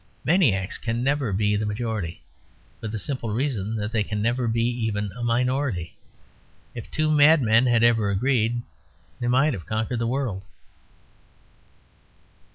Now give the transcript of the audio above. Maniacs can never be the majority; for the simple reason that they can never be even a minority. If two madmen had ever agreed they might have conquered the world.